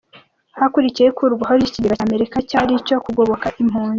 Hakurikiyeho ikurwaho ry’Ikigega cy’Amerika cyari icyo kugoboka impunzi.